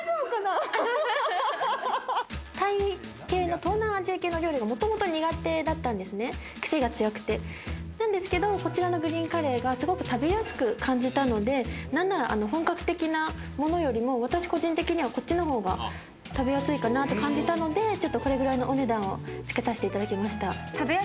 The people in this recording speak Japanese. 東南アジア系の料理は苦手だったんですけれど、こちらのグリーンカレーはすごく食べやすく感じたので、本格的なものよりも私、個人的にはこっちのほうが食べやすいかなと感じたので、これくらいのお値段をつけさせていただきました。